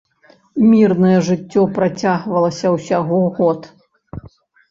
Мірнае жыццё працягвалася ўсяго год.